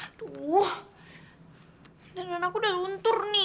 ditemukan apa ngak eenen kredisi